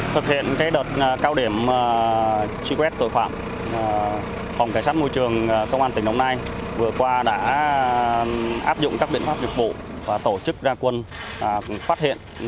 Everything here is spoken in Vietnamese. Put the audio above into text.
thực hiện đợt cao điểm truy quét tội phạm phòng cảnh sát môi trường công an tỉnh đồng nai vừa qua đã áp dụng các biện pháp dịch vụ và tổ chức ra quân phát hiện